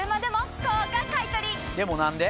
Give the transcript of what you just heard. でも何で？